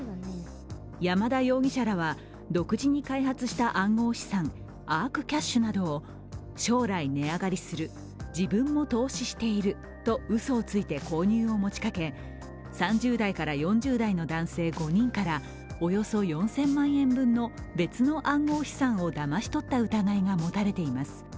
山田容疑者らは、独自に開発した暗号資産アークキャッシュなどを将来値上がりする、自分も投資しているとうそをついて購入を持ちかけ３０代から４０代の男性５人からおよそ４０００万円分の別の暗号資産をだまし取った疑いが持たれています。